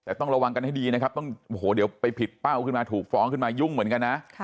แต่ต้องระวังกันให้ดีนะครับต้องโอ้โหเดี๋ยวไปผิดเป้าขึ้นมาถูกฟ้องขึ้นมายุ่งเหมือนกันนะ